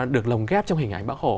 được lồng ghép trong hình ảnh bác hồ